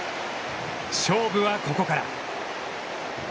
勝負はここから。